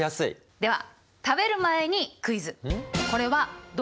では食べる前にクイズ！